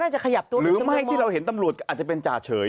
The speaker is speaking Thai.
หรือไม่ที่เราเห็นตำรวจอาจจะเป็นจ่าเฉย